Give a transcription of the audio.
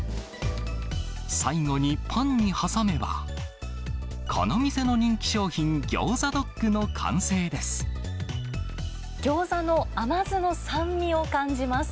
最後にパンに挟めば、この店の人気商品、ギョーザの甘酢の酸味を感じます。